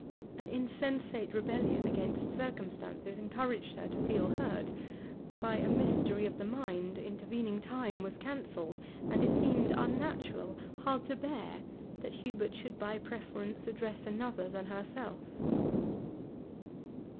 An insensate rebellion against circumstances encouraged her to feel hurt; by a mystery of the mind intervening time was cancelled, and it seemed unnatural, hard to bear, that Hubert should by preference address another than herself.